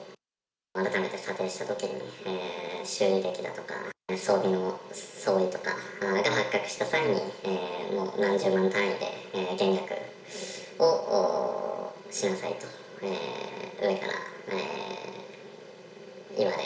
改めて査定したときに修理歴だとか、装備の相違とかが発覚した際に、何十万単位で減額をしなさいと上から言われ。